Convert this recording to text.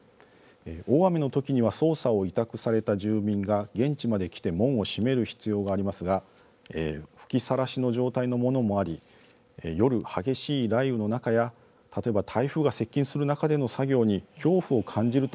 大雨の時には操作を委託された住民が現地まで来て門を閉める必要がありますが吹きさらしの状態のものもあり夜、激しい雷雨の中や例えば台風が接近する中での作業に恐怖を感じるという人もいました。